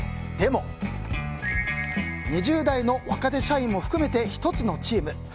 でも２０代の若手社員も含めて１つのチーム。